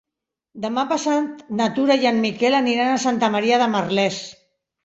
Demà passat na Tura i en Miquel aniran a Santa Maria de Merlès.